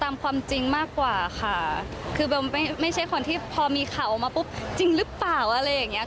ไม่ใช่คนที่พอมีข่าวออกมาปุ๊บจริงหรือเปล่าอะไรอย่างนี้